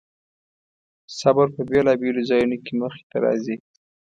صبر په بېلابېلو ځایونو کې مخې ته راځي.